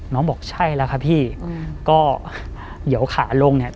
บอกใช่แล้วค่ะพี่ก็เดี๋ยวขาลงเนี่ย